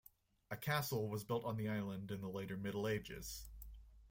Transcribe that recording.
A castle was built on the island in the later Middle Ages.